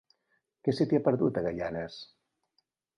Què se t'hi ha perdut, a Gaianes?